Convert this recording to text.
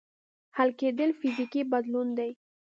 حل کېدل فزیکي بدلون دی.